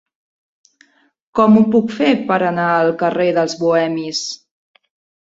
Com ho puc fer per anar al carrer dels Bohemis?